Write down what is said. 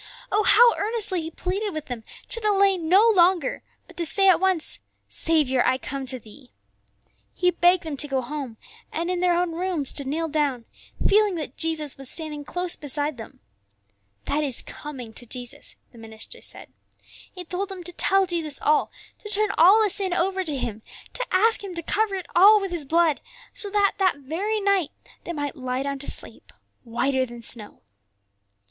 Oh, how earnestly he pleaded with them to delay no longer, but to say at once, "Saviour, I come to Thee." He begged them to go home, and in their own rooms to kneel down, feeling that Jesus was standing close beside them. "That is coming to Jesus," the minister said. He told them to tell Jesus all, to turn all the sin over to Him, to ask Him to cover it all with His blood, so that that very night they might lie down to sleep whiter than snow.